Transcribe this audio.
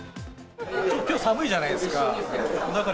きょう寒いじゃないですか。